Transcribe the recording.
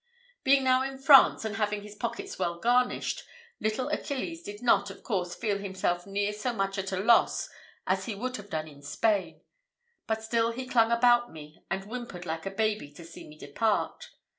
Being now in France, and having his pockets well garnished, little Achilles did not, of course, feel himself near so much at a loss as he would have done in Spain; but still he clung about me, and whimpered like a baby to see me depart.